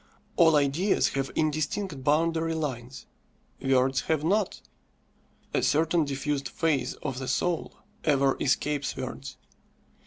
All ideas have indistinct boundary lines, words have not. A certain diffused phase of the soul ever escapes words.